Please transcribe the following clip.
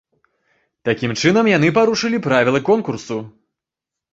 Такім чынам яны парушылі правілы конкурсу.